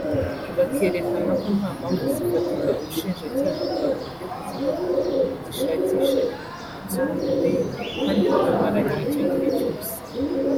bakerekana ko nta mpamvu zifatika Ubushinjacyaha bwagombye kuvuga ko bugishakisha ibimenyetso bikomeye kandi bubamaranye icyo gihe cyose